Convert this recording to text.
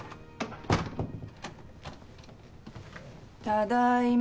ただいま。